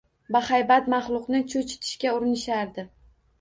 Bahaybat maxluqni cho‘chitishga urinishardi.